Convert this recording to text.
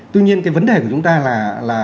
tuy nhiên cái vấn đề của chúng ta là